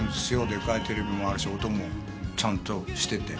でかいテレビもあるし音もちゃんとしてて。